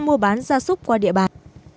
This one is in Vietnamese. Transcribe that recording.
mua bán gia súc qua địa bàn